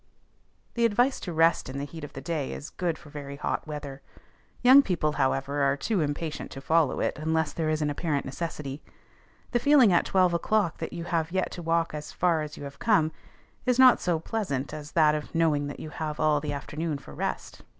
The advice to rest in the heat of the day is good for very hot weather; young people, however, are too impatient to follow it unless there is an apparent necessity. The feeling at twelve o'clock that you have yet to walk as far as you have come is not so pleasant as that of knowing you have all the afternoon for rest.